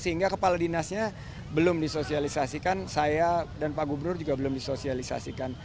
sehingga kepala dinasnya belum disosialisasikan saya dan pak gubernur juga belum disosialisasikan